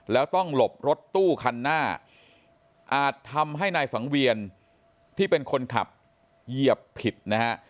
แล้วต้องหลบรถตู้คันหน้าอาจทำให้นายสังเวียนที่เป็นคนขับเหยียบผิดนะฮะ